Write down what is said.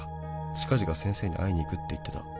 「近々先生に会いに行くって言ってた」